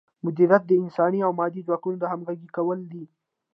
مدیریت د انساني او مادي ځواکونو همغږي کول دي.